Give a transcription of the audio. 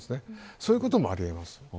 そういうこともあり得ます。